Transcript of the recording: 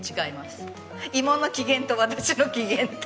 イモの機嫌と私の機嫌と。